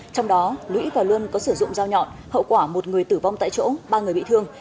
trong đó lũy và luân có sử dụng dao nhọn hậu quả một người tử vong tại chỗ ba người bị thương